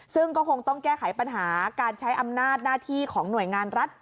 ซึ่งก็คงต้องแก้ไขปัญหาการใช้อำนาจหน้าที่ของหน่วยงานรัฐ